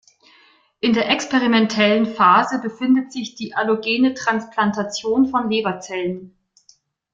In der experimentellen Phase befindet sich die allogene Transplantation von Leberzellen.